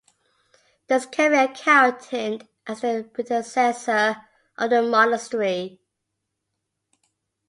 This can be accounted as the predecessor of the monastery.